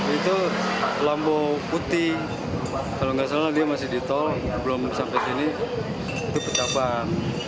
itu lampu putih kalau nggak salah dia masih di tol belum sampai sini itu ketapan